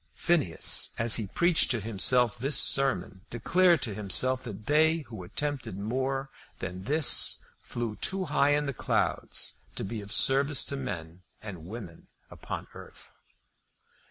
Phineas, as he preached to himself this sermon, declared to himself that they who attempted more than this flew too high in the clouds to be of service to men and women upon earth.